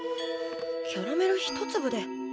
キャラメル一粒で。